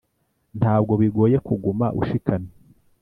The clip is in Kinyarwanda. ntabwo bigoye kuguma ushikamye.